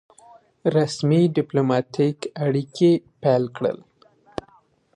رسمي ډيپلوماټیک اړیکي پیل کړل.